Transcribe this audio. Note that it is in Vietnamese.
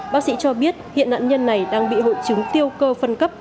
bác sĩ cho biết hiện nạn nhân này đang bị hội chứng tiêu cơ phân cấp